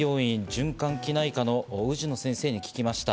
循環器内科の氏野先生に聞きました。